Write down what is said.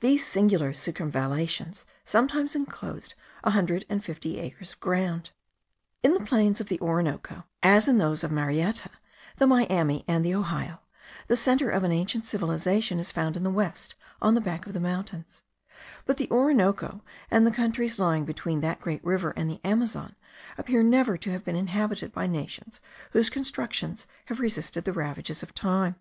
These singular circumvallations sometimes enclosed a hundred and fifty acres of ground. In the plains of the Orinoco, as in those of Marietta, the Miami, and the Ohio, the centre of an ancient civilization is found in the west on the back of the mountains; but the Orinoco, and the countries lying between that great river and the Amazon, appear never to have been inhabited by nations whose constructions have resisted the ravages of time.